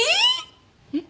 えっ？